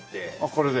これで？